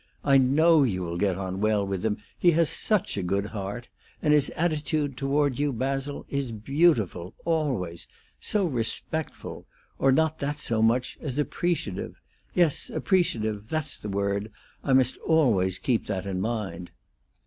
I know you will get on well with him. He has such a good heart. And his attitude toward you, Basil, is beautiful always so respectful; or not that so much as appreciative. Yes, appreciative that's the word; I must always keep that in mind."